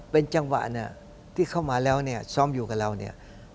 เป็นจังหวะเนี่ยที่เข้ามาแล้วเนี่ยซ้อมอยู่กับเราเนี่ย